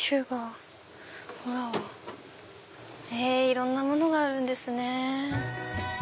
いろんなものがあるんですね。